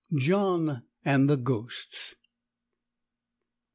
JOHN AND THE GHOSTS.